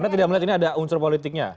anda tidak melihat ini ada unsur politiknya